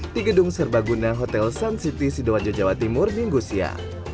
di gedung serbaguna hotel sun city sidoanjo jawa timur minggu sia